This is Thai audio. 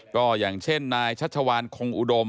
ก็อย่างเช่นนายชัชวานคงอุดม